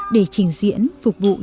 để trình diễn phục vụ đông đào